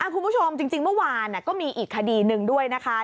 คุณผู้ชมจริงเมื่อวานก็มีอีกคดีหนึ่งด้วยนะคะ